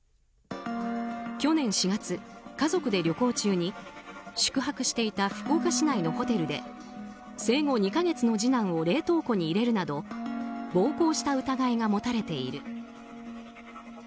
去年４月、家族で旅行中に宿泊していた福岡市内のホテルで生後２か月の次男を冷凍庫に入れるなど暴行した疑いが持たれている。